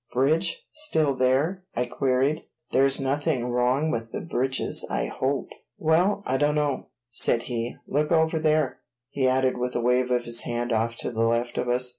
"Bridge? Still there?" I queried. "There's nothing wrong with the bridges, I hope." "Well I dunno," said he. "Look over there," he added with a wave of his hand off to the left of us.